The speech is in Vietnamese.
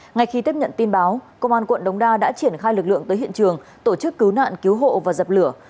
ngay khi tiếp nhận tin báo công an quận đống đa đã triển khai lực lượng tới hiện trường tổ chức cứu nạn cứu hộ và dập lửa